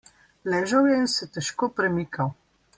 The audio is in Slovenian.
Ležal je in se težko premikal.